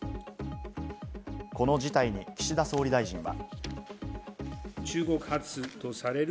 この事態に岸田総理大臣は。